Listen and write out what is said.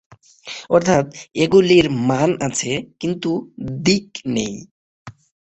অর্থাৎ, এগুলির মান আছে কিন্তু দিক নেই।